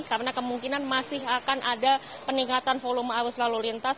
karena kemungkinan masih akan ada peningkatan volume arus lalu lintas